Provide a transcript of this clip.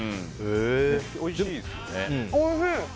おいしい。